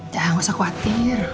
ya gak usah khawatir